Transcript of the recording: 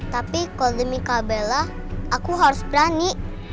tapi kalau demi kak bella aku harus berani